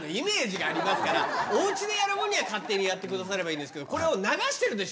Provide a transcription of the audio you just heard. お家でやる分には勝手にやってくださればいいけど。